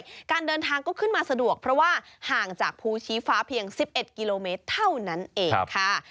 การเดินทางก็ขึ้นมาสะดวกเพราะว่าห่างจากภูชีฟ้าเพียง๑๑กิโลเมตรเท่านั้นเองค่ะ